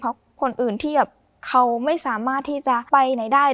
เพราะคนอื่นที่แบบเขาไม่สามารถที่จะไปไหนได้